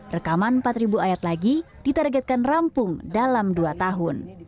rekaman empat ribu ayat lagi ditargetkan rampung dalam dua tahun